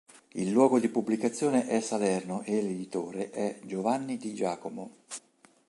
Il luogo di pubblicazione è Salerno e l'editore è Giovanni Di Giacomo.